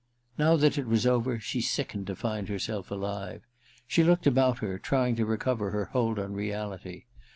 Now that it was over, she sickened to find herself alive. She looked about her, trying to recover her hold on reality.